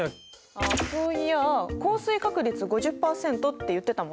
あっそういやあ降水確率５０％って言ってたもんね。